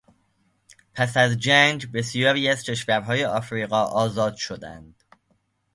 پس از جنگ بسیاری از کشورهای افریقا آزاد شدند.